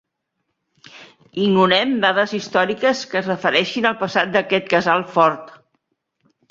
Ignorem dades històriques que es refereixin al passat d'aquest casal fort.